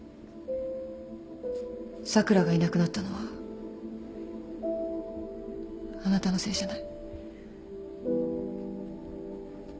咲良がいなくなったのはあなたのせいじゃない。